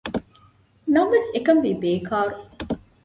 ނަމަވެސް އެކަންވީ ބޭކާރު